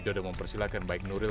sudah mempersilahkan baik nuril